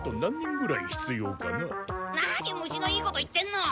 何虫のいいこと言ってんの？